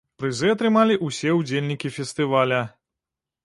Прызы атрымалі ўсе ўдзельнікі фестываля.